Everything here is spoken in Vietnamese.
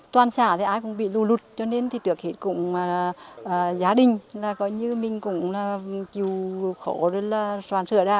toàn xã thì ai cũng bị lù lụt cho nên thì tuyệt hết cũng là gia đình là coi như mình cũng là chịu khổ rồi là soàn sửa đã